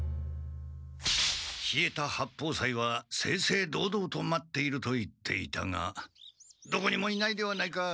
稗田八方斎は正々堂々と待っていると言っていたがどこにもいないではないか。